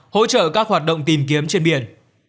hỗ trợ các hoạt động tìm kiếm trên biển